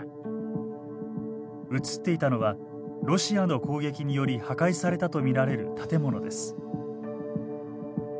映っていたのはロシアの攻撃により破壊されたと見られる建物です。